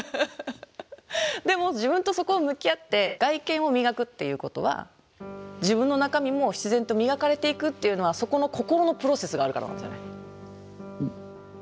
でも自分とそこを向き合って外見を磨くっていうことは自分の中身も必然と磨かれていくっていうのはそこの心のプロセスがあるからなんですよね。